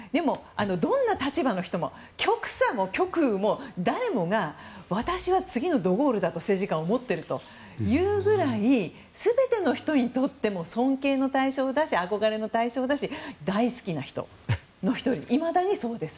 どんな立場の人も、極左も極右も私は次の政治家はド・ゴールだと思っているというぐらい全ての人にとっても尊敬の対象だし憧れの対象だし大好きな人の１人いまだにそうです。